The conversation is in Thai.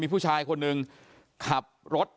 ผู้ชายคนหนึ่งขับรถ